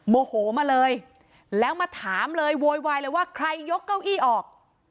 โมโหมาเลยแล้วมาถามเลยโวยวายเลยว่าใครยกเก้าอี้ออก